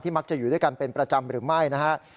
มักจะอยู่ด้วยกันเป็นประจำหรือไม่นะครับ